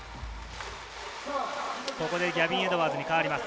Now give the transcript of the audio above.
ここでギャビン・エドワーズに代わります。